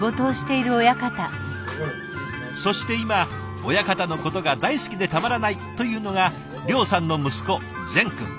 そして今親方のことが大好きでたまらないというのが諒さんの息子禅君。